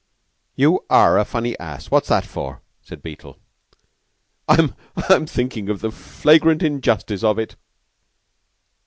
"You are a funny ass! What's that for?" said Beetle. "I'm I'm thinking of the flagrant injustice of it!"